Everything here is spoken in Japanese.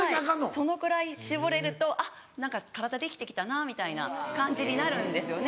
そのくらい絞れるとあっ何か体できて来たなみたいな感じになるんですよね。